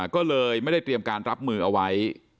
ก็เลยไม่ได้เตรียมการรับมือเอาไว้